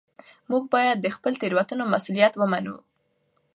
موږ باید د خپلو تېروتنو مسوولیت ومنو